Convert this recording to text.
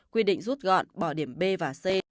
quy định rút gọn bỏ điểm b và c